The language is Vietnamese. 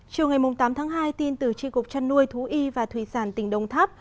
chiều ngày tám tháng hai tin từ tri cục trăn nuôi thú y và thủy sản tỉnh đồng tháp